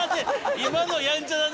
今の「やんちゃだね」